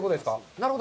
なるほど。